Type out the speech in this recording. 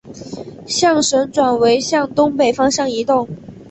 象神转为向东北方向移动。